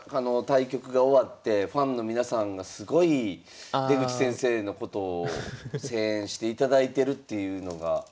対局が終わってファンの皆さんがすごい出口先生のことを声援していただいてるっていうのが。